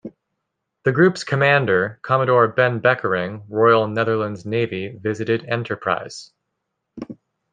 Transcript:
The group's commander, Commodore Ben Bekkering, Royal Netherlands Navy visited "Enterprise".